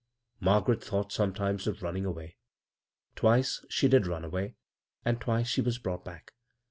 Margaret thought sometimes of running away. Twice she did run away — and twice she was brought back.